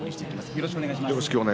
よろしくお願いします。